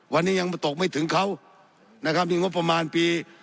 วันนี้ยังตกไม่ถึงเขานะครับนี่งบประมาณปี